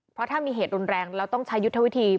เพราะถ้ามีเหตุรุนแรงเราต้องใช้ยุทธวิธี